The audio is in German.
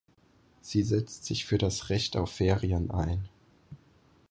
Sie setzt sich für das „Recht auf Ferien“ ein.